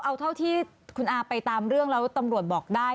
เอาเท่าที่คุณอาไปตามเรื่องแล้วตำรวจบอกได้